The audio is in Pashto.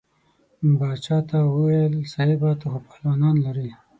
باچا ته وویل صاحبه ته خو پهلوانان لرې.